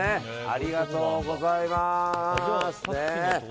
ありがとうございます。